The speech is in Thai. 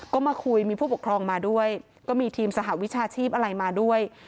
ก็มาคุยมีผู้ปกครองมาด้วยก็มีทีมสหวิชาชีพอะไรมาด้วย